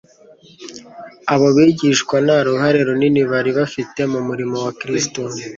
Abo bigishwa nta ruhare runini bari bafite mu murimo wa Kristo,